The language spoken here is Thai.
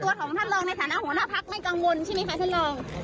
ของท่านรองในฐานะหัวหน้าพักไม่กังวลใช่ไหมคะท่านรอง